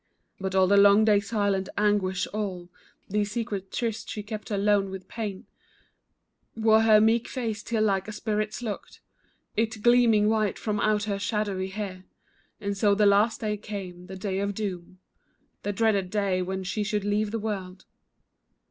But all the long days' silent anguish, all These secret trysts she kept alone with pain Wore her meek face, till like a spirit's looked It, gleaming white from out her shadowy hair, And so the last day came, the day of doom, The dreaded day when she should leave the world.